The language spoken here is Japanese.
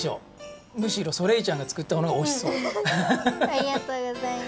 ありがとうございます。